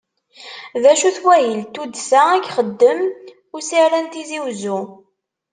D acu-t wahil n tuddsa i ixeddem usarra n Tizi Uzzu?